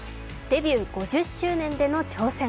デビュー５０周年での挑戦